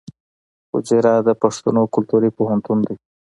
حجره د پښتنو کلتوري پوهنتون دی.